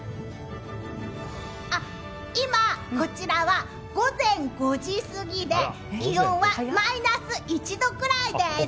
今、こちらは午前５時過ぎで気温はマイナス１度くらいです。